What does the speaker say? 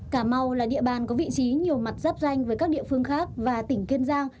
cà mau là địa bàn có vị trí nhiều mặt giáp danh với các địa phương khác và tỉnh kiên giang